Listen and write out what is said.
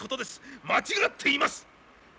間違っています！